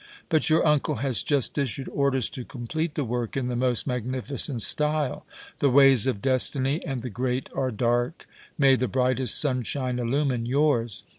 But your uncle has just issued orders to complete the work in the most magnificent style. The ways of destiny and the great are dark; may the brightest sunshine illumine yours!